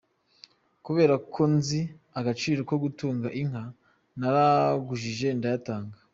Kubera ko nzi agaciro ko gutunga inka, naragujije ndayatanga.